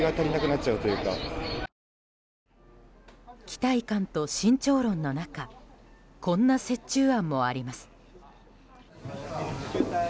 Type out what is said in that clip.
期待感と慎重論の中こんな折衷案もあります。